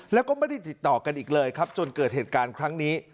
แล้วก็ไม่ได้ติดต่อกันอีกเลยครับจนเกิดเหตุการณ์ครั้งนี้